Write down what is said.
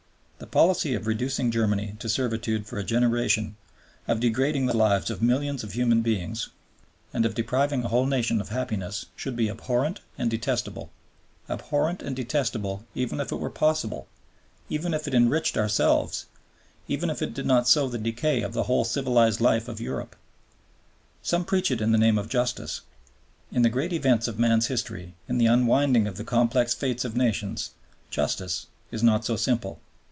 The policy of reducing Germany to servitude for a generation, of degrading the lives of millions of human beings, and of depriving a whole nation of happiness should be abhorrent and detestable, abhorrent and detestable, even if it were possible, even if it enriched ourselves, even if it did not sow the decay of the whole civilized life of Europe. Some preach it in the name of Justice. In the great events of man's history, in the unwinding of the complex fates of nations Justice is not so simple.